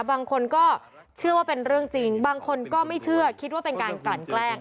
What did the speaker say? บางคนก็เชื่อว่าเป็นเรื่องจริงบางคนก็ไม่เชื่อคิดว่าเป็นการกลั่นแกล้ง